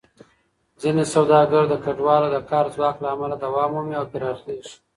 ځینې سوداګرۍ د کډوالو د کار ځواک له امله دوام مومي او پراخېږي.